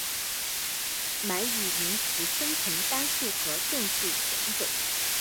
满语名词分成单数和众数两种。